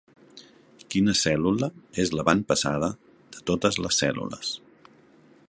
Quina cèl·lula és l'avantpassada de totes les cèl·lules?